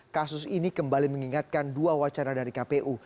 kasus ini kembali mengingatkan dua wacana dari kpu